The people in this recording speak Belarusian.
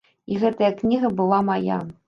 І гэтая кніга была мая.